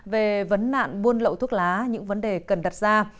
về vấn nạn buôn lậu thuốc lá những vấn đề cần đặt ra